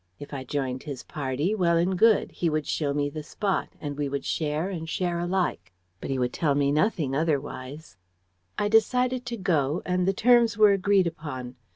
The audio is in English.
If I joined his party well and good: he would show me the spot, and we would share and share alike, but he would tell me nothing otherwise. "I decided to go, and the terms were agreed upon.